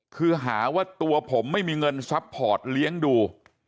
คือหาว่าตัวผมไม่มีเงินซัพพอร์ตเลี้ยงดู